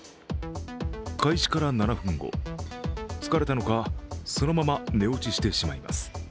開始から７分後、疲れたのかそのまま寝落ちしてしまいます。